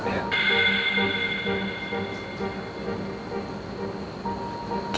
kenapa rasanya aku jadi